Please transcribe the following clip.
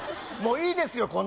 もういいですよ